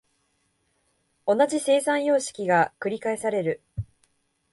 同じ生産様式が繰返される。